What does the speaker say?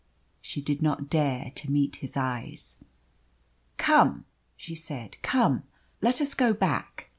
She did not dare to meet his eyes. "Come," she said. "Come let us go back."